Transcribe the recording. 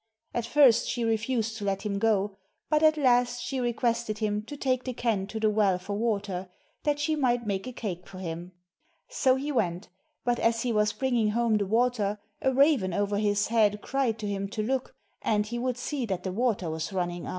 At first she refused to let him go ; but at last she requested him to take the can to the well for water, that she might make a cake for him. So he went, but as he was bringing home the water, a raven over his head cried to him to look, and he would see that the water was running out.